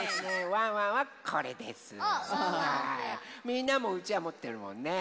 みんなもうちわもってるもんね。